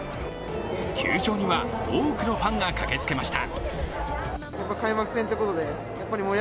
球場には多くのファンが駆けつけました。